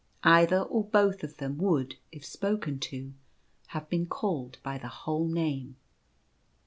Either or both of them would, if spoken to, have been called by the whole name.